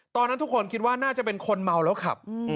ตอนนั้นทุกคนคิดว่าน่าจะเป็นคนเมาแล้วขับ